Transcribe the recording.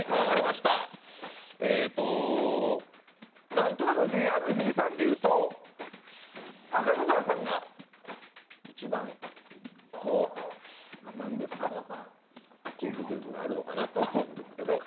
何となくＴＨＥＡＬＦＥＥさんでいうと高見沢さんが一番、こう、なんですか攻撃力があるのかなと思うんですけど。